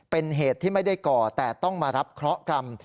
เป็นเหตุที่ไม่ได้ก่อแต่ต้องมารับเคราะห์กรรม